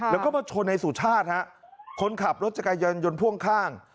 แล้วก็มาชนในสุชาติฮะคนขับรถจักรยานยนต์พ่วงข้าง